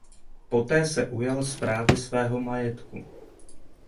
Poté se ujal správy svého majetku.